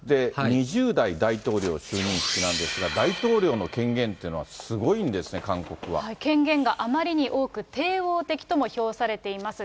２０代大統領就任式なんですが、大統領の権限というのはすごいん権限があまりに多く、帝王的とも評されています。